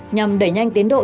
nhằm đẩy nhanh tiến độ